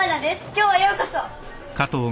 今日はようこそ。